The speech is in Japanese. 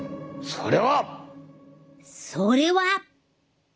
それは。それは。